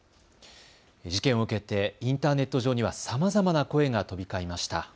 事件を受けてインターネット上には、さまざまな声が飛び交いました。